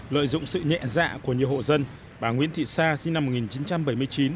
lợi dụng sự nhẹ dạ của nhiều hộ dân bà nguyễn thị sa sinh năm một nghìn chín trăm bảy mươi chín